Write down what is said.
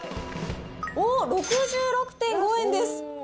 おっ、６６．５円です。